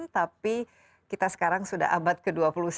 tapi kita sekarang sudah abad ke dua puluh satu